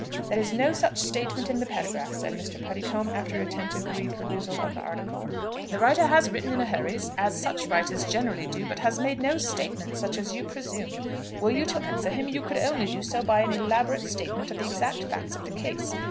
"There is no such statement in the paragraph," said Mr. Puddicombe, after attentive reperusal of the article. "The writer has written in a hurry, as such writers generally do, but has made no statement such as you presume. Were you to answer him, you could only do so by an elaborate statement of the exact facts of the case.